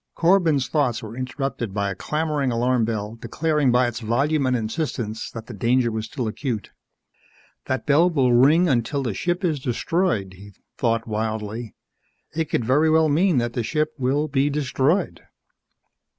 _ Corbin's thoughts were interrupted by a clamoring alarm bell declaring by its volume and insistence that the danger was still acute. That bell will ring until the ship is destroyed, he thought wildly. _It could very well mean that the ship will be destroyed!